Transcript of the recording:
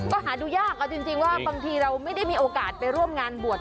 ก็หาดูยากเอาจริงว่าบางทีเราไม่ได้มีโอกาสไปร่วมงานบวช